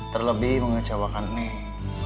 terlebih mengecewakan neng